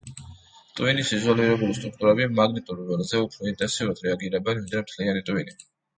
ტვინის იზოლირებული სტრუქტურები მაგნიტურ ველზე უფრო ინტენსიურად რეაგირებენ, ვიდრე მთლიანი ტვინი.